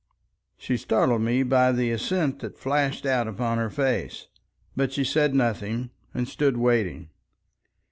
She startled me by the assent that flashed out upon her face. But she said nothing, and stood waiting.